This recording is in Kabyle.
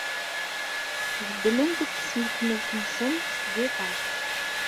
Beddlen-d timseknewt-nsen s tgiṭart.